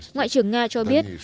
ngoại trưởng nga cho biết